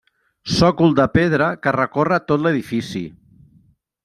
Sòcol de pedra que recorre tot l'edifici.